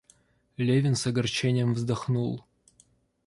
Левин с огорчением вздохнул.